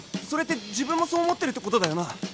それって自分もそう思ってるってことだよな？